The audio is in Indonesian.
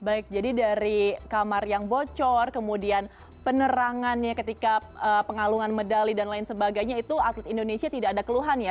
baik jadi dari kamar yang bocor kemudian penerangannya ketika pengalungan medali dan lain sebagainya itu atlet indonesia tidak ada keluhan ya